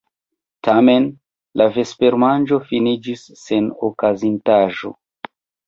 Tamen la vespermanĝo finiĝis sen okazintaĵo.